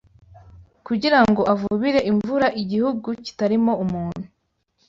Kugira ngo avubire imvura igihugu kitarimo umuntu